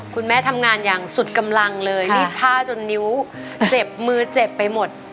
คุณแม่ทำงานอย่างสุดกำลังเลยรีดผ้าจนนิ้วเจ็บมือเจ็บไปหมด